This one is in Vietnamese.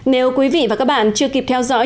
nếu quý vị và các bạn chưa kịp theo dõi